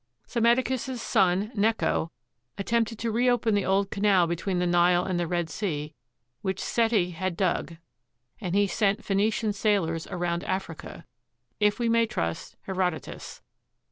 Psammeticus's son Necho attempted to reopen the old canal between the Nile and the Red Sea which Seti had dug, and he sent Phoenician sailors around Africa — if we may trust Herodotus.